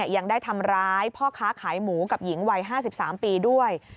ยังได้ทำร้ายพ่อค้าขายหมูกับหญิงวัย๕๓ปีด้วย